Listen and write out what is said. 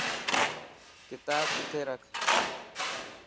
ڪتاب اتي رک.